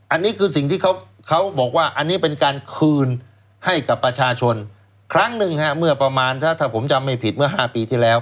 อันนี้คือสิ่งที่เขาบอกว่าอันนี้เป็นการคืนให้กับประชาชนครั้งหนึ่งฮะเมื่อประมาณถ้าผมจำไม่ผิดเมื่อ๕ปีที่แล้ว